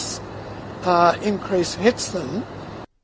ketika harga besar meningkatkan mereka